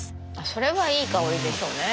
それはいい香りでしょうね。